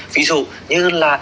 ví dụ như là